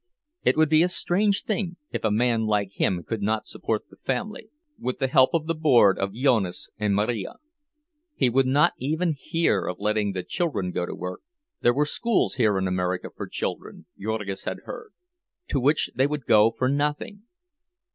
It would be a strange thing if a man like him could not support the family, with the help of the board of Jonas and Marija. He would not even hear of letting the children go to work—there were schools here in America for children, Jurgis had heard, to which they could go for nothing.